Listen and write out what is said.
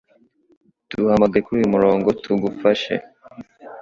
Duhamagare kuri uyu murongo tugufashe